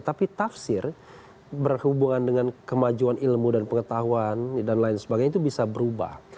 tapi tafsir berhubungan dengan kemajuan ilmu dan pengetahuan dan lain sebagainya itu bisa berubah